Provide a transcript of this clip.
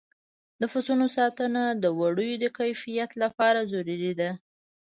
د پسونو ساتنه د وړیو د کیفیت لپاره ضروري ده.